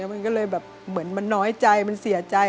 มันก็เลยแบบเหมือนมันน้อยใจมันเสียใจ